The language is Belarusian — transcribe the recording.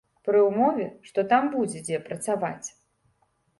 Пры ўмове, што там будзе дзе працаваць.